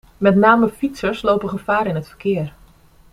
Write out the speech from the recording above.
Met name fietsers lopen gevaar in het verkeer.